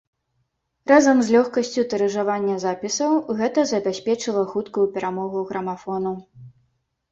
Разам з лёгкасцю тыражавання запісаў гэта забяспечыла хуткую перамогу грамафону.